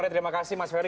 terima kasih mas ferry